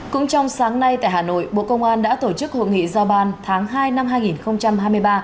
cũng trong sáng nay tại hà nội bộ công an đã tổ chức hội nghị giao ban tháng hai năm hai nghìn hai mươi ba